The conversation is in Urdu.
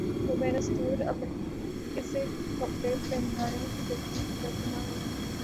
وہ بین السطور اسے کپڑے پہنانے کی تاکید کر رہا ہے۔